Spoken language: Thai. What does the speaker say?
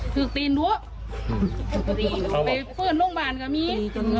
ฝึกตีนดัวไปฟื้นโรงพยาบาลกละมี